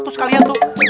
terus kalian tuh